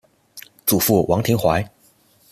祖父王庭槐。